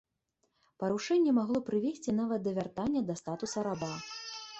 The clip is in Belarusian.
Парушэнне магло прывесці нават да вяртання да статуса раба.